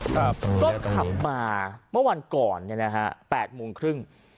ก็ขับมาเมื่อวันก่อนเนี่ยนะฮะ๘โมงครึ่ง